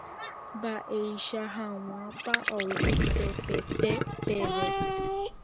mba'eicha hag̃uápa ou upepete peve